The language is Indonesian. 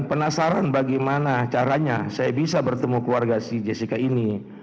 penasaran bagaimana caranya saya bisa bertemu keluarga si jessica ini